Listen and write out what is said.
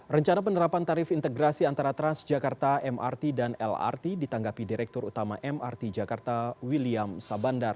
rencana penerapan tarif integrasi antara transjakarta mrt dan lrt ditanggapi direktur utama mrt jakarta william sabandar